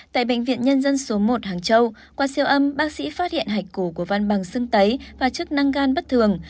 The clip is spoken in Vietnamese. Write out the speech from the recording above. tại bệnh viện nhân dân số một hàng châu qua siêu âm bác sĩ phát hiện hạch cổ của văn bằng sưng tấy và chức năng gan bất thường